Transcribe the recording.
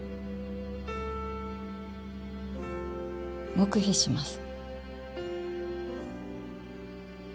黙秘します。